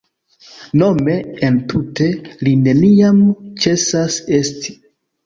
Nome, entute, “Li neniam ĉesas esti”.